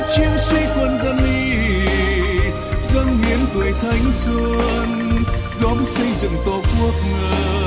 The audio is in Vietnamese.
chiến sĩ quân dân ly dâng miếng tuổi thanh xuân góp xây dựng tổ quốc ngờ